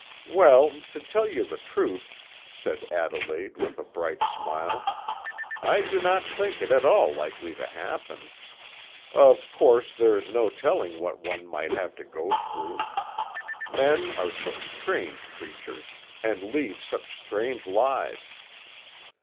"Well, to tell you the truth," said Adelaide, with a bright smile, "I do not think it at all likely to happen. Of course, there is no telling what one might have to go through. Men are such strange creatures, and lead such strange lives!